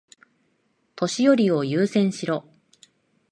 年寄りを優先しろ。